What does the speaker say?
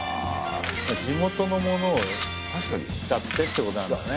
地元のものを使ってってことなんだね。